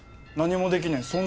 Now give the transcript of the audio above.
「何もできない」